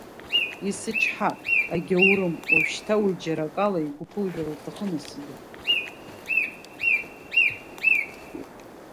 Исычҳап, агьаурым, уажәшьта уи џьара акала игәы ԥылжәар лҭахын Асида.